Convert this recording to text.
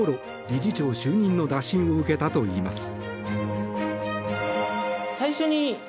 理事長就任の打診を受けたといいます。